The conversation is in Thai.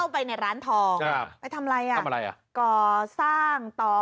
ไปทำไหลอ่ะ